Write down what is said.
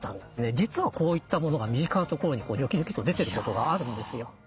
実はこういったものが身近なところにニョキニョキと出てることがあるんですよ。